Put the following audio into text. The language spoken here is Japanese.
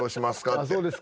って。